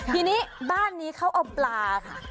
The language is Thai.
ทีนี้บ้านนี้เขาเอาปลาค่ะ